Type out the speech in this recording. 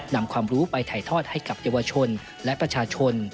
นำความรู้ไปถ่ายทอดให้กับเยาวชนและประชาชน